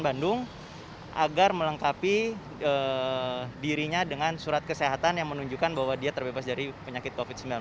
jadi dirinya dengan surat kesehatan yang menunjukkan bahwa dia terbebas dari penyakit covid sembilan belas